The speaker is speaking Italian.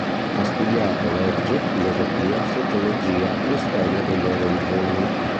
Ha studiato legge, filosofia, sociologia e storia delle religioni.